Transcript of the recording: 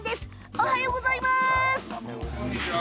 おはようございます！